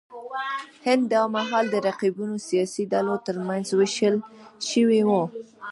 هند دا مهال د رقیبو سیاسي ډلو ترمنځ وېشل شوی و.